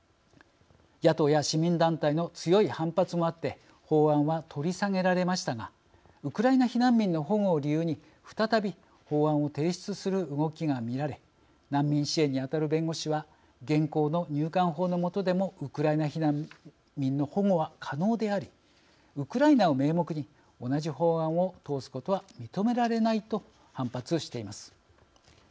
野党や市民団体の強い反発もあって法案は取り下げられましたがウクライナ避難民の保護を理由に再び法案を提出する動きが見られ難民支援に当たる弁護士は現行の入管法の下でもウクライナ避難民の保護は可能でありウクライナを名目に同じ法案を通すことは認められないと反発しています。